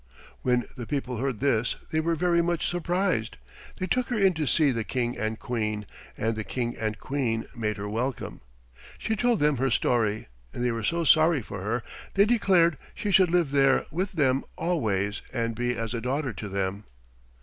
When the people heard this they were very much surprised. They took her in to see the King and Queen, and the King and Queen made her welcome. She told them her story, and they were so sorry for her they declared she should live there with them always and be as a daughter to them.